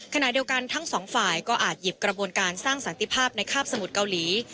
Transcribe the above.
ขณะเดียวกันทั้งสองฝ่ายก็อาจหยิบกระบวนการสร้างสันติภาพในคาบสมุทรเกาหลี